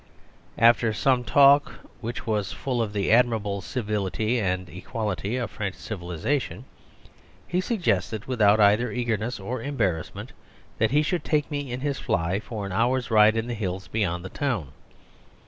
After some talk which was full of the admirable civility and equality of French civilisation, he suggested without either eagerness or embarrassment that he should take me in his fly for an hour's ride in the hills beyond the town.